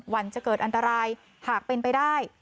วันจะเกิดอันตรายหากเป็นไปได้